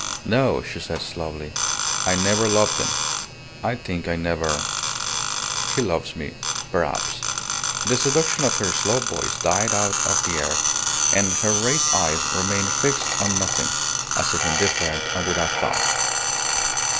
"No," she said, slowly. "I never loved him. I think I never ... He loves me perhaps." The seduction of her slow voice died out of the air, and her raised eyes remained fixed on nothing, as if indifferent and without thought.